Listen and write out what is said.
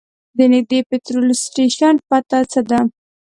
د نږدې پټرول سټیشن پته څه ده؟